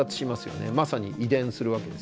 まさに遺伝するわけですよね。